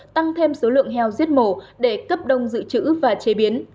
tăng thêm số lượng heo giết mổ để cấp đông dự trữ và chế biến